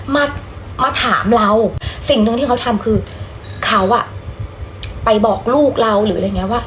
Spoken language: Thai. มามาถามเราสิ่งหนึ่งที่เขาทำคือเขาอ่ะไปบอกลูกเราหรืออะไรอย่างเงี้ยว่า